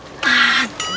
itu tuh kalau dapet dong